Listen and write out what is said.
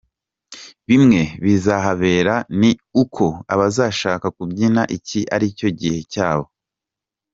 Bimwe bizahabera ni uko abazashaka kubyina iki aricyo gihe cyabo.